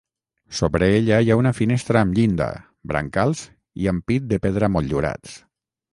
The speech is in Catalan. Sobre ella hi ha una finestra amb llinda, brancals i ampit de pedra motllurats.